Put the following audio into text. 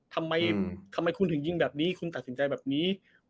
ทำไมคุณถึงยิงแบบนี้คุณตัดสินใจแบบนี้